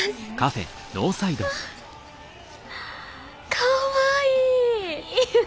かわいい！